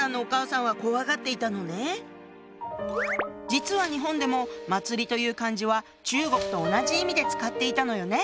実は日本でも「祭」という漢字は中国と同じ意味で使っていたのよね